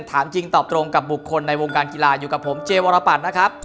ถามจริงตอบตรงกับบุคคลในวงการกีฬาอยู่กับผมเจวรปัตรนะครับ